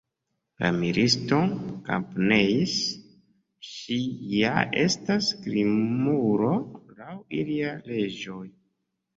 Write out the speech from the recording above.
La militisto kapneis: “Ŝi ja estas krimulo laŭ iliaj leĝoj.